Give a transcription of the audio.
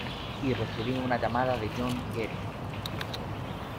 Y recibí una llamada de John Guerin.